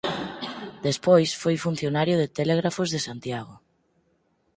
Despois foi funcionario de telégrafos de Santiago.